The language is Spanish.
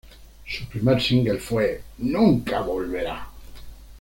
Su primer single fue "Nunca volverá".